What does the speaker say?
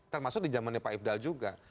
termasuk di zamannya pak ifdal juga